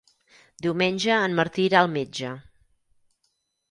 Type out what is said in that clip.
Diumenge en Martí irà al metge.